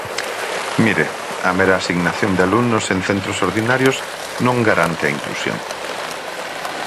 Mire, a mera asignación de alumnos en centros ordinarios non garante a inclusión.